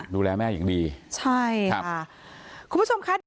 ดูแลแม่อย่างดีใช่ค่ะคุณผู้ชมคะ